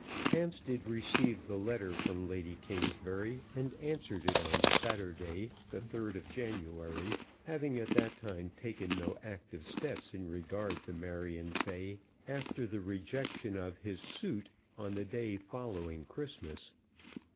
Hampstead received the letter from Lady Kingsbury, and answered it on Saturday, the 3rd of January, having at that time taken no active steps in regard to Marion Fay after the rejection of his suit on the day following Christmas.